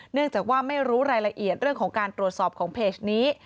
เนื่องจากว่าไม่รู้รายละเอียดเรื่องของการตรวจสอบของเพจนี้